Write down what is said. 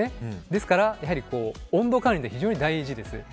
ですから温度管理が非常に大事です。